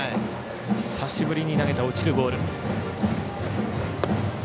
久しぶりに投げた落ちるボール。